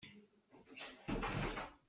Pu Lian hi na rawl na hrawmh kho hnga maw?